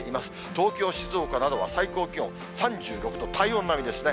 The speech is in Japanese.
東京、静岡などは最高気温３６度、体温並みですね。